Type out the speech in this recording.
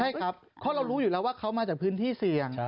ใช่ครับเพราะเรารู้อยู่แล้วว่าเขามาจากพื้นที่เสี่ยง